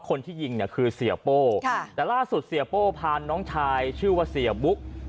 คนที่ยิงเนี่ยคือเสียโป้แต่ล่าสุดเสียโป้พาน้องชายชื่อว่าเสียบุ๊ก